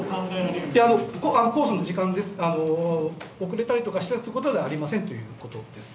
いや、コースの時間は、遅れたりしたということではありませんということです。